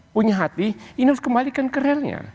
punya hati ini harus kembalikan ke relnya